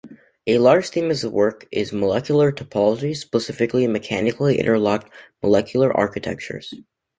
A large theme of his work is molecular topology, specifically mechanically-interlocked molecular architectures.